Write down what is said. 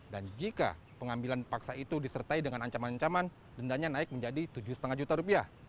dan jika pengambilan paksa itu disertai dengan ancaman ancaman dendanya naik menjadi rp tujuh lima ratus